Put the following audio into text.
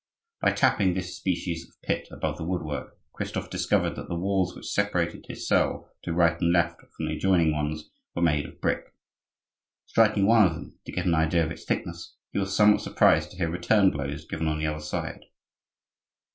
By tapping this species of pit above the woodwork Christophe discovered that the walls which separated his cell to right and left from the adjoining ones were made of brick. Striking one of them to get an idea of its thickness, he was somewhat surprised to hear return blows given on the other side.